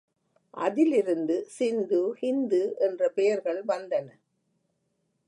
அதிலிருந்து சிந்து, ஹிந்து என்ற பெயர்கள் வந்தன.